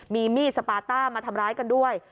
มีมีดสปาต้ามาทำร้ายกันด้วย